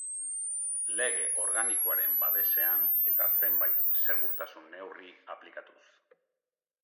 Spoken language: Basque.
Lege Organikoaren babesean eta zenbait segurtasun neurri aplikatuz.